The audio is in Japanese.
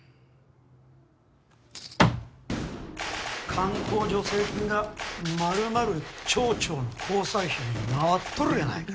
観光助成金が丸々町長の交際費に回っとるやないか。